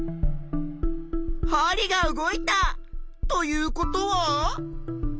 はりが動いた！ということは。